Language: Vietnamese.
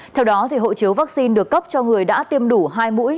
theo đó hộ chiếu vaccine được cấp cho người đã tiêm đủ hai mũi